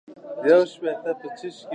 شهیدان چې خپلوان یې نه دي معلوم، برحق دي.